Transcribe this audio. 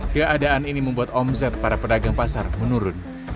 keadaan ini membuat omset para pedagang pasar menurun